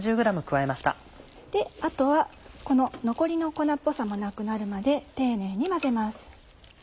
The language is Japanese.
あとはこの残りの粉っぽさもなくなるまで丁寧に混ぜます。